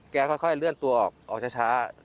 แกค่อยเลื่อนตัวออกช้า